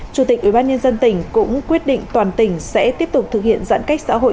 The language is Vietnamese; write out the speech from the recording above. chủ tịch ubnd tỉnh cũng quyết định toàn tỉnh sẽ tiếp tục thực hiện giãn cách xã hội